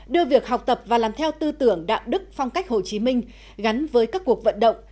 đưa việc học tập và làm theo tư tưởng đạo đức phong cách hồ chí minh gắn với các cuộc vận động